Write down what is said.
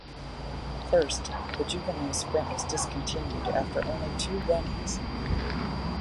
First, the Juvenile Sprint was discontinued after only two runnings.